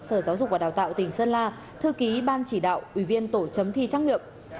sở giáo dục và đào tạo tỉnh sơn la thư ký ban chỉ đạo ủy viên tổ chấm thi trắc nghiệm